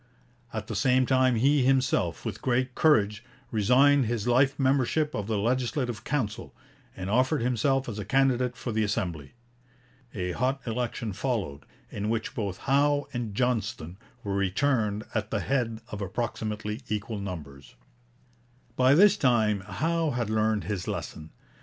At the same time he himself, with great courage, resigned his life membership of the Legislative Council, and offered himself as a candidate for the Assembly. A hot election followed, in which both Howe and Johnston were returned at the head of approximately equal numbers. By this time Howe had learned his lesson.